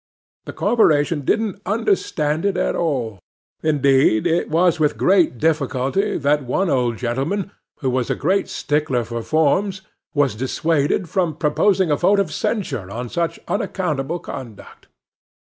The corporation didn't understand it at all; indeed it was with great difficulty that one old gentleman, who was a great stickler for forms, was dissuaded from proposing a vote of censure on such unaccountable conduct.